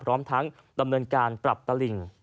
พร้อมทั้งดำเนินการปรับตลิ่ง